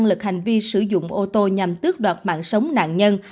lực hành vi sử dụng ô tô nhằm tước đoạt mạng sống nạn nhân